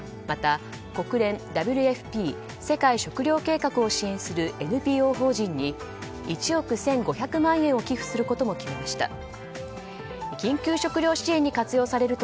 また国連ＷＦＰ・世界食糧計画を支援するＮＰＯ法人に１億１５００万円を寄付することも決めました。